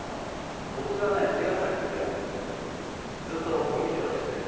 僕が茅ケ崎でずっとゴミ拾いしてて。